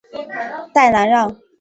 代兰让。